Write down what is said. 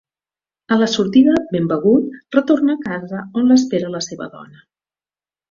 A la sortida, ben begut, retorna a casa on l’espera la seva dona.